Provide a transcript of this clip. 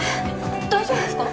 大丈夫ですか！？